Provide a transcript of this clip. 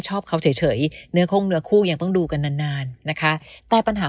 ชอบเขาเฉยเนื้อโค้งเนื้อคู่ยังต้องดูกันนานนานนะคะแต่ปัญหา